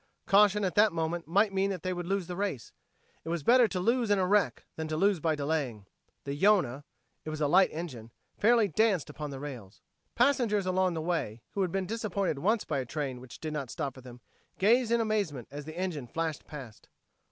Caution at that moment might mean that they would lose the race. It was better to lose in a wreck than to lose by delaying. The Yonah it was a light engine fairly danced upon the rails. Passengers along the way who had been disappointed once by a train which did not stop for them, gazed in amazement as the engine flashed past.